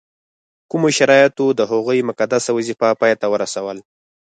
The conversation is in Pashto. کومو شرایطو د هغوی مقدسه وظیفه پای ته ورسول.